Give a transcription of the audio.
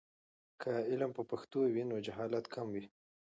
که علم په پښتو وي، نو جهالت کم وي.